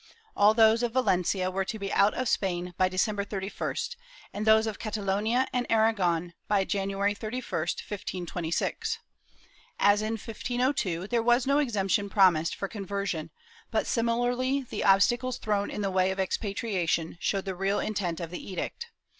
All those of Valencia were to be out of Spain by December 31st, and those of Catalonia and Aragon by January 31, 1526. As in 1502, there was no exemption promised for con version, but similarly the obstacles thrown in the way of expa triation showed the real intent of the edict.